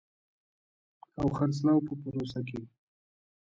او خرڅلاو په پروسه کې